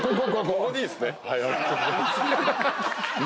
ここでいいですね。